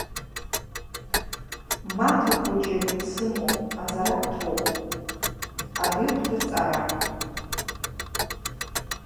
Маҭа хәыҷык дсымоуп, аҵара дҭоуп, адехәҭыр ҵара.